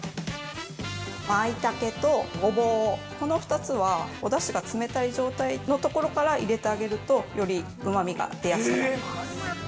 マイタケとゴボウ、この２つはおだしが冷たい状態のところから入れてあげると、より、うまみが出やすくなります。